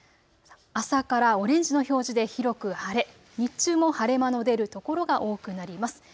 朝からオレンジの表示で広く晴れ、日中も晴れ間の出る所が多くなります。